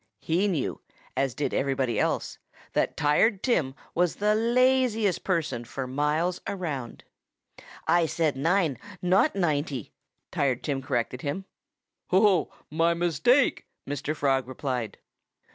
He knew as did everybody else that Tired Tim was the laziest person for miles around. "I said nine not ninety," Tired Tim corrected him. "Oh! My mistake!" Mr. Frog replied.